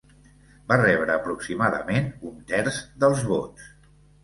Va rebre aproximadament un terç dels vots.